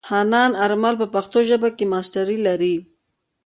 حنان آرمل په پښتو ژبه کې ماسټري لري.